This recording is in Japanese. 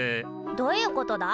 どういうことだ？